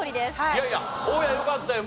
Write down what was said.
いやいや大家よかったよ。